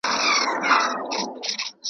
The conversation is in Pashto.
ماشومان په لوبو خوشاله کېږي.